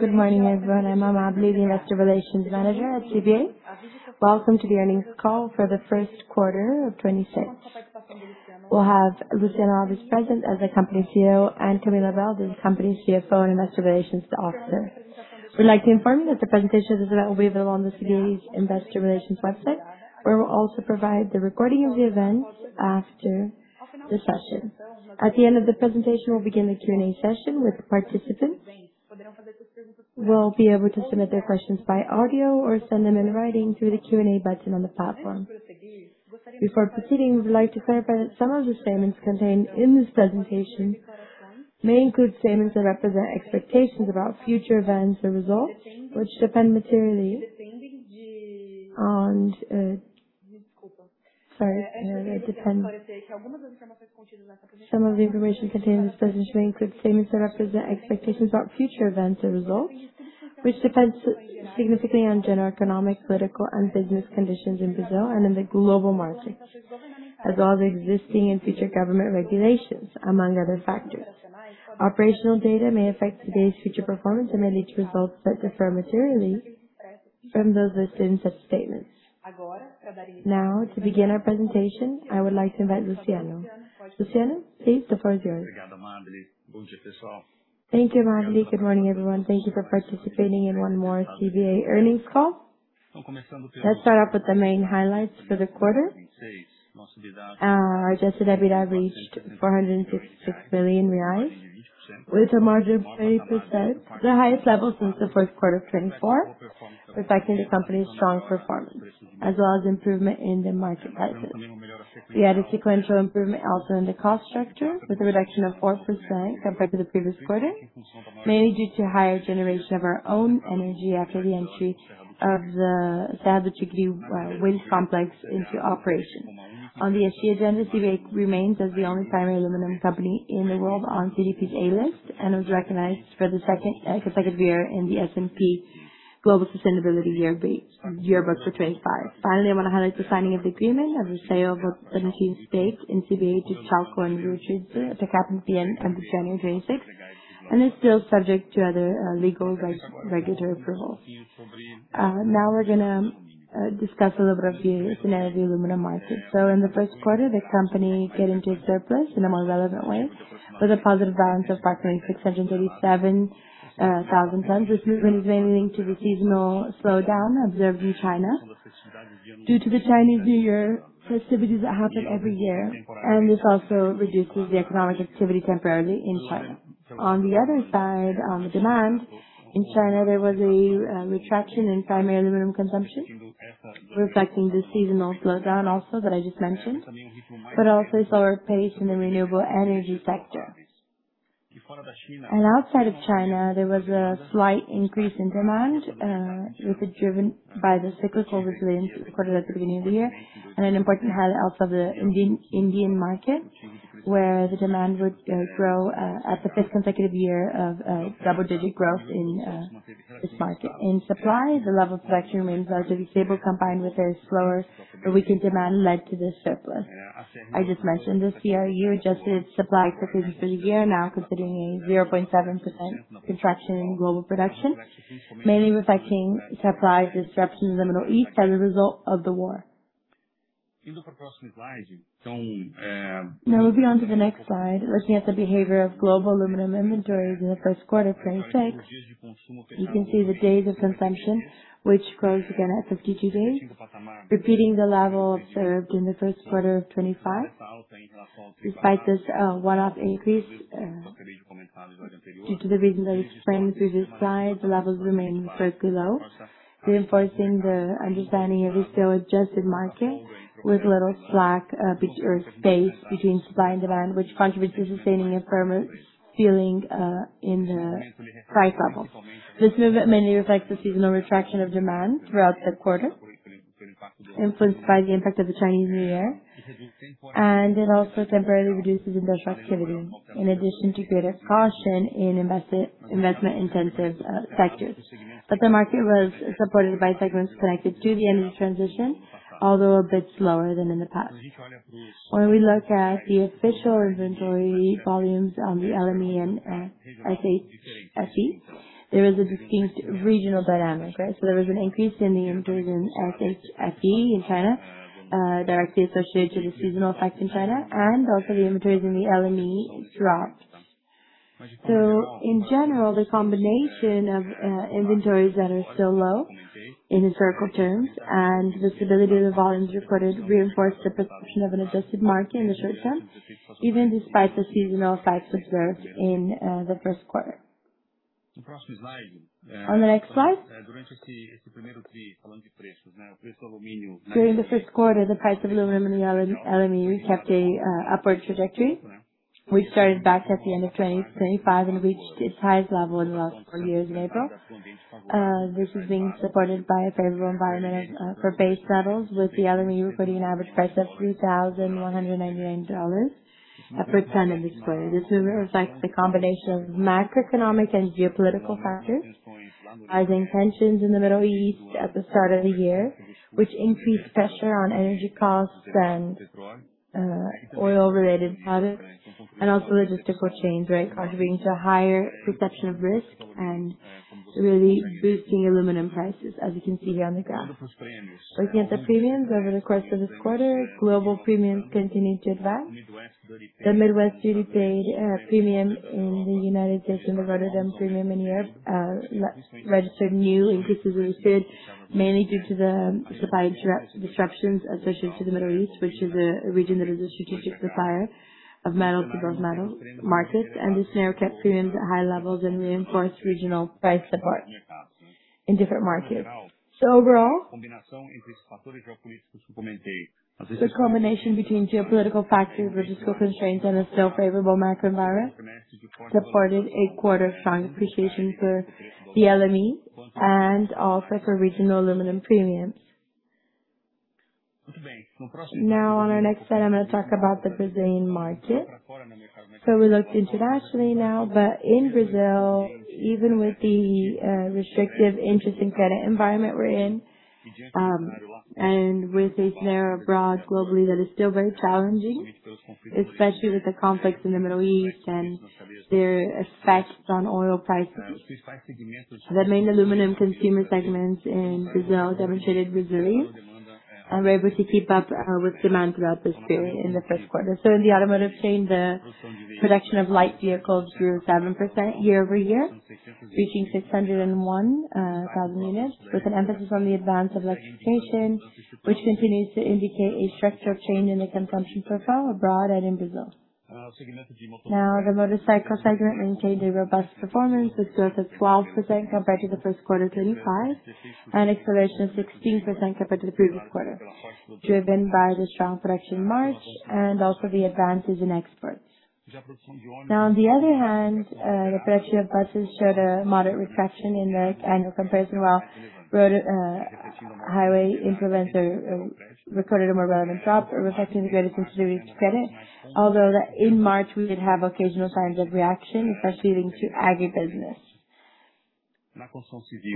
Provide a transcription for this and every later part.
Good morning, everyone. I'm Amábile, the investor relations manager at CBA. Welcome to the earnings call for the first quarter of 2026. We'll have Luciano Alves present as the Company CEO and Camila Abel, the Company's CFO and Investor Relations Officer. We'd like to inform you that the presentation today will be available on the CBA's investor relations website. We will also provide the recording of the event after the session. At the end of the presentation, we'll begin the Q&A session with the participants, who will be able to submit their questions by audio or send them in writing through the Q&A button on the platform. Before proceeding, we'd like to clarify that some of the statements contained in this presentation may include statements that represent expectations about future events or results, which depend materially on, Sorry. Some of the information contained in this presentation include statements that represent expectations about future events or results, which depends significantly on general economic, political, and business conditions in Brazil and in the global market, as well as existing and future government regulations, among other factors. Operational data may affect today's future performance and may lead to results that differ materially from those listed in such statements. To begin our presentation, I would like to invite Luciano Alves. Luciano Alves, please, the floor is yours. Thank you, Amábile Silva. Good morning, everyone. Thank you for participating in one more CBA earnings call. Let's start off with the main highlights for the quarter. Our adjusted EBITDA reached 456 billion reais, with a margin of 30%, the highest level since the fourth quarter of 2024, reflecting the company's strong performance as well as improvement in the market prices. We had a sequential improvement also in the cost structure with a reduction of 4% compared to the previous quarter, mainly due to higher generation of our own energy of the [South Chichibu] wind complex into operation. On the ESG end day, we remained as the only primary aluminium company in the world on CDP A List and was recognized for the second year, in S&P Global Sustainability Yearbook for 2025. Finally, I want to highlight signing of the agreement of the sale of the energy stake in CBA to [Chalco and Ruchi, the capital] at the end off January 2026, and it is still subject to other legal regulatory approval. Now we are going to discuss a little of the aluminium market. So in the first quarter, the company kept intact their price in amore releveant way with a positive balance of market expectations of 27,000 tons, which was mainly to regional slowdowns observed in China due to the Chinese New Year festivities that happen every year and this also reduced the economic actibity temporarily in China. On the other side, on the demand in China, there was a retraction in primary aluminium consumption reflecting the seasonal slowdown, also that I just mentioned, but also a slow pace in the renewable energy sector. Outside of China, there was a slight increace in demand, which was driven by the cyclical resilliance recoreded at the beginning of the year and an importanr highlight also if the Indian market where the demand would grow at the fifth consequtive year of double digit growth in the market. In the supply, the level of production remained relatively stable combined with a slower or weakend demand led to this surplus. I just mentioned the CRU adjusted supply year now considering a 0.7% contraction in global production, mainly reflecting supply disruptions in the Middle East as a result of the war. Now we'll be on to the next slide, looking at the behavior of global aluminum inventories in the first quarter of 2026. You can see the days of consumption, which grows again at 52 days, repeating the level observed in the first quarter of 2025. Despite this one-off increase, due to the reasons I explained through this slide, the levels remain very below, reinforcing the understanding of this still adjusted market with little slack or space between supply and demand, which contributes to sustaining a firmer feeling in the price level. This movement mainly reflects the seasonal retraction of demand throughout the quarter, influenced by the impact of the Chinese New Year, and it also temporarily reduces industrial activity in addition to greater caution in investment-intensive sectors. The market was supported by segments connected to the energy transition, although a bit slower than in the past. When we look at the official inventory volumes on the LME and SHFE, there is a distinct regional dynamic, right? There was an increase in the inventories in SHFE in China, directly associated to the seasonal effect in China, and also the inventories in the LME dropped. In general, the combination of inventories that are still low in historical terms and the stability of the volumes recorded reinforce the perception of an adjusted market in the short term, even despite the seasonal effects observed in the first quarter. On the next slide. During the first quarter, the price of aluminum in the LME kept a upward trajectory, which started back at the end of 2025 and reached its highest level in the last four years in April. This is being supported by a favorable environment for base metals, with the LME recording an average price of $3,199 per ton in this quarter. This reflects the combination of macroeconomic and geopolitical factors, rising tensions in the Middle East at the start of the year, which increased pressure on energy costs and oil related products and also logistical chains, right, contributing to a higher perception of risk and really boosting aluminum prices as you can see here on the graph. Looking at the premiums over the course of this quarter, global premiums continued to advance. The Midwest Duty Paid premium in the U.S. and the Rotterdam premium in Europe re-registered new increases were observed mainly due to the supply disruptions associated to the Middle East, which is a region that is a strategic supplier of metal to both metal markets. This scenario kept premiums at high levels and reinforced regional price support in different markets. Overall, the combination between geopolitical factors, logistical constraints and a still favorable macro environment supported a quarter of strong appreciation for the LME and also for regional aluminum premiums. Now on our next slide, I'm going to talk about the Brazilian market. We looked internationally now, but in Brazil, even with the restrictive interest and credit environment we're in, and with a scenario abroad globally that is still very challenging, especially with the conflicts in the Middle East and their effects on oil prices. The main aluminum consumer segments in Brazil demonstrated resilience and were able to keep up with demand throughout this period in the first quarter. In the automotive chain, the production of light vehicles grew 7% year-over-year, reaching 601,000 units, with an emphasis on the advance of electrification, which continues to indicate a structural change in the consumption profile abroad and in Brazil. The motorcycle segment maintained a robust performance with growth of 12% compared to the first quarter of 2025, and acceleration of 16% compared to the previous quarter, driven by the strong production in March and also the advances in exports. On the other hand, the production of buses showed a moderate retraction in their annual comparison, while road, highway implements recorded a more relevant drop, reflecting the greater sensitivity to credit. Although in March, we did have occasional signs of reaction, especially linked to agribusiness.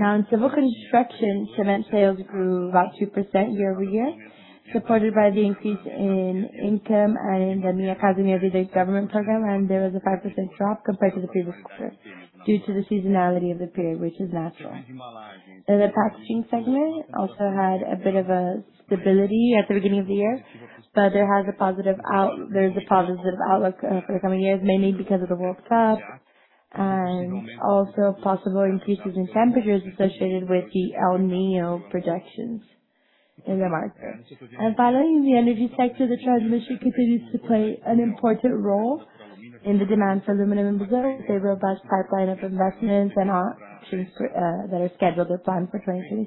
Now, in civil construction, cement sales grew about 2% year-over-year, supported by the increase in income and the Minha Casa, Minha Vida government program. There was a 5% drop compared to the previous quarter due to the seasonality of the period, which is natural. In the packaging segment also had a bit of a stability at the beginning of the year, but there's a positive outlook for the coming years, mainly because of the World Cup and also possible increases in temperatures associated with the El Niño projections in the market. Finally, in the energy sector, the transmission continues to play an important role in the demand for aluminum in Brazil with a robust pipeline of investments and options for that are scheduled or planned for 2023.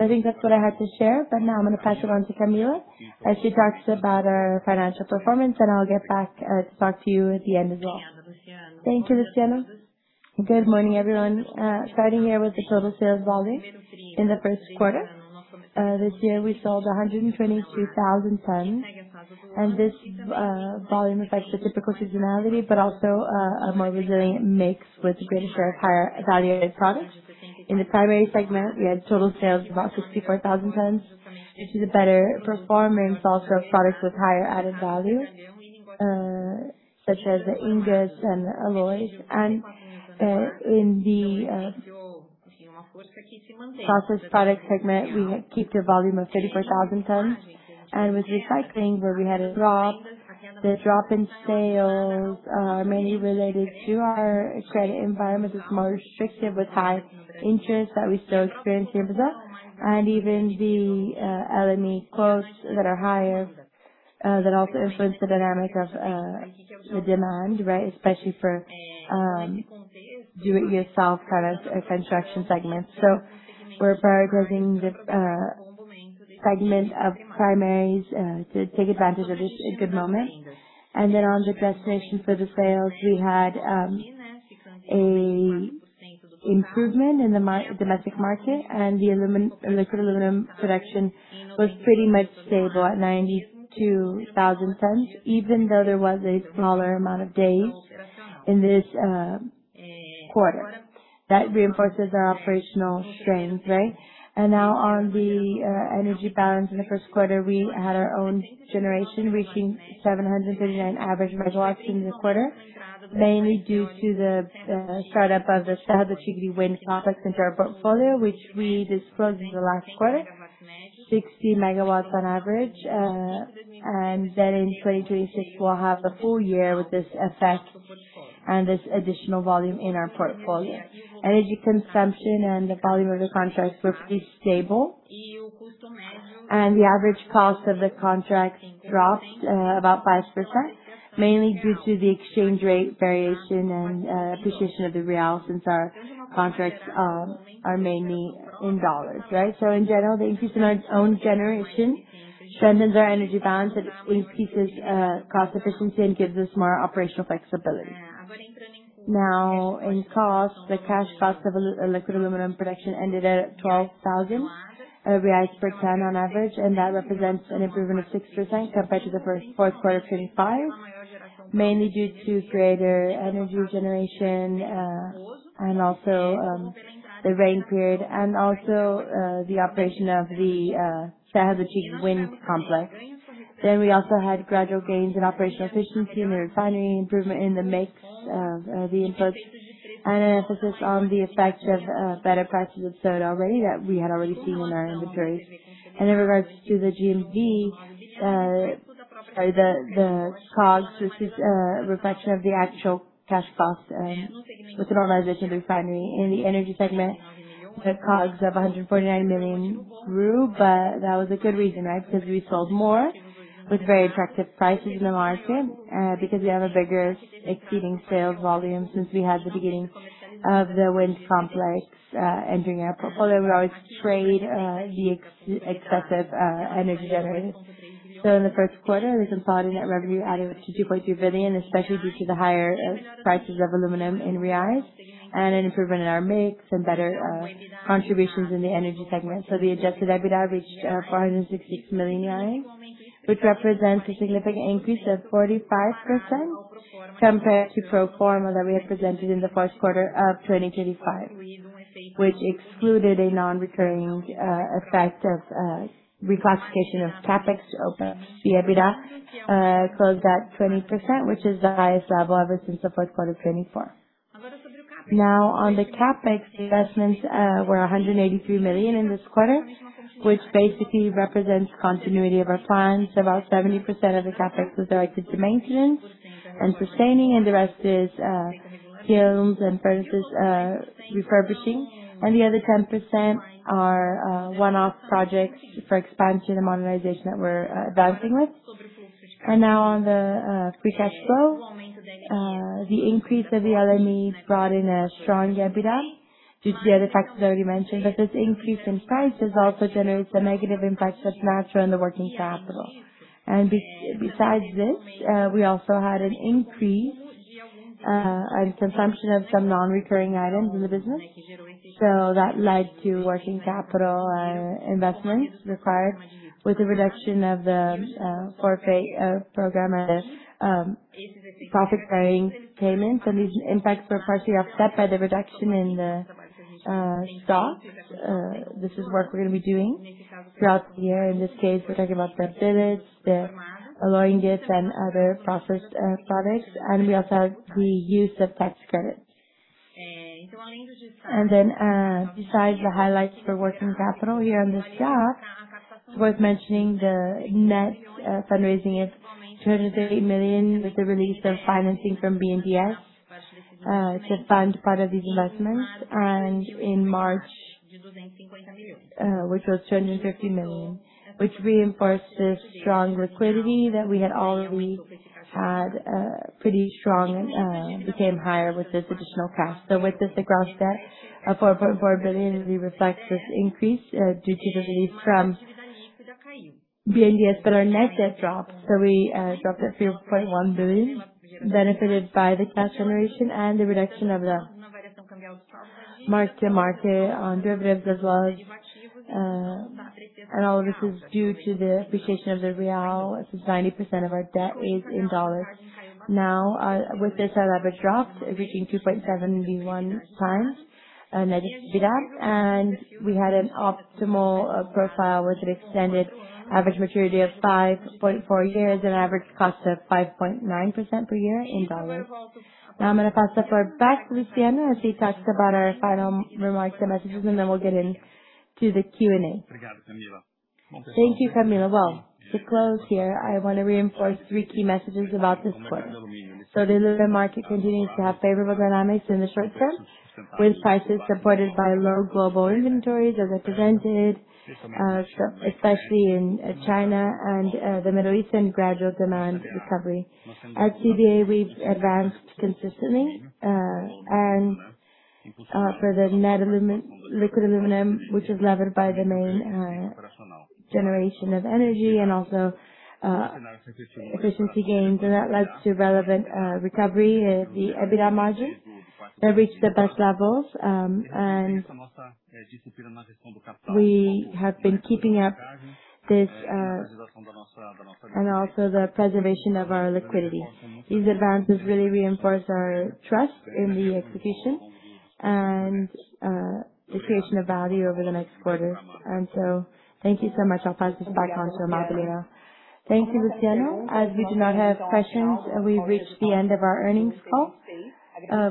I think that's what I had to share. Now I'm gonna pass it on to Camila as she talks about our financial performance, and I'll get back to talk to you at the end as well. Thank you, Luciano. Good morning, everyone. Starting here with the total sales volume in the first quarter. This year we sold 122,000 tons. This volume affects the typical seasonality, but also a more resilient mix with a greater share of higher value-added products. In the primary segment, we had total sales of about 64,000 tons, which is a better performance also of products with higher added value, such as the ingots and alloys. In the processed products segment, we had kept a volume of 34,000 tons. With recycling, where we had a drop. The drop in sales are mainly related to our credit environment that's more restrictive with high interest that we still experience here in Brazil, and even the LME quotes that are higher that also influence the dynamic of the demand, right? Especially for do it yourself products or construction segments. We're prioritizing the segment of primaries to take advantage of this good moment. On the destination for the sales, we had an improvement in the domestic market and the electrolytic aluminum production was pretty much stable at 92,000 tons, even though there was a smaller amount of days in this quarter. That reinforces our operational strength, right? Now on the energy balance in the first quarter, we had our own generation reaching 739 average megawatts in the quarter, mainly due to the startup of the Serra do Tigre wind farm into our portfolio, which we disclosed in the last quarter, 60 megawatts on average. Then in 2026, we'll have the full year with this effect and this additional volume in our portfolio. Energy consumption and the volume under contracts were pretty stable. The average cost of the contracts dropped 5%, mainly due to the exchange rate variation and appreciation of the real, since our contracts are mainly in U.S. dollars, right? In general, the increase in our own generation strengthens our energy balance. It increases cost efficiency and gives us more operational flexibility. In cost, the cash cost of electrolytic aluminum production ended at 12,000 reais per ton on average. That represents an improvement of 6% compared to the fourth quarter of 2025. Mainly due to greater energy generation and also the rain period and also the operation of the Serra do Tigre wind complex. We also had gradual gains in operational efficiency in the refinery improvement in the mix of the inputs and an emphasis on the effect of better prices of soda already that we had already seen in our inventories. In regards to the CPV or the COGS this is a reflection of the actual cash costs and with the normalization refinery. In the energy segment the COGS of 149 million grew but that was a good reason right? We sold more with very attractive prices in the market, because we have a bigger exceeding sales volume since we had the beginning of the wind complex entering our portfolio. We always trade the excessive energy generators. In the first quarter, our consolidated net revenue added up to 2.2 billion, especially due to the higher prices of aluminum in reais and an improvement in our mix and better contributions in the energy segment. The adjusted EBITDA reached 466 million, which represents a significant increase of 45% compared to pro forma that we had presented in the first quarter of 2025, which excluded a non-recurring effect of reclassification of CapEx. The EBITDA closed at 20%, which is the highest level ever since the fourth quarter of 2024. Now, on the CapEx, the investments were 183 million in this quarter, which basically represents continuity of our funds. About 70% of the CapEx was directed to maintenance and sustaining, the rest is kilns and furnaces refurbishing. The other 10% are one-off projects for expansion and modernization that we're advancing with. Now on the free cash flow. The increase of the other needs brought in a strong EBITDA due to the other factors I already mentioned. This increase in prices also generates a negative impact that's natural in the working capital. Besides this, we also had an increase on consumption of some non-recurring items in the business. That led to working capital investments required with the reduction of the forfait program profit-sharing payments. These impacts were partially offset by the reduction in the stock. This is work we are gonna be doing throughout the year. In this case, we are talking about prebaked anodes, the alloy ingots and other processed products. We also have the use of tax credits. Besides the highlights for working capital here on this chart, it is worth mentioning the net fundraising of 230 million with the release of financing from BNDES to fund part of these investments, and in March, which was 250 million, which reinforced the strong liquidity that we had already had pretty strong, became higher with this additional cash. With this, the gross debt of 4.4 billion reflects this increase due to the release from BNDES. Our net debt dropped, so we dropped to $3.1 billion, benefited by the cash generation and the reduction of the mark-to-market on derivatives as well. And all of this is due to the appreciation of the real, since 90% of our debt is in dollars. With this, our leverage dropped, reaching 2.7x net EBITDA. We had an optimal profile with an extended average maturity of 5.4 years, an average cost of 5.9% per year in dollars. I'm gonna pass the floor back to Luciano as he talks about our final remarks and messages, and then we'll get into the Q&A. Thank you, Camila. Well, to close here, I wanna reinforce three key messages about this quarter. The aluminum market continues to have favorable dynamics in the short term, with prices supported by low global inventories as represented, especially in China and the Middle East, and gradual demand recovery. At CBA, we've advanced consistently for the net liquid aluminum, which is levered by the main generation of energy and also efficiency gains, and that leads to relevant recovery, the EBITDA margin that reached the best levels. We have been keeping up this and also the preservation of our liquidity. These advances really reinforce our trust in the execution and the creation of value over the next quarter. Thank you so much. I'll pass this back on to Amábile Silva. Thank you, Luciano Alves. As we do not have questions, we've reached the end of our earnings call,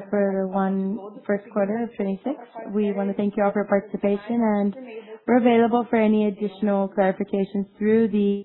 for the first quarter of 2026. We wanna thank you all for your participation, and we're available for any additional clarifications through the.